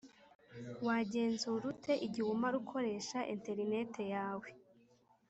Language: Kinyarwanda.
Wagenzura ute igihe umara ukoresha internete yawe